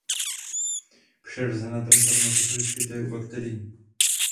Přirozená transformace se vyskytuje u bakterií.